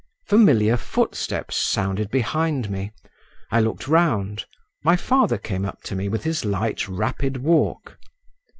Familiar footsteps sounded behind me; I looked round, my father came up to me with his light, rapid walk.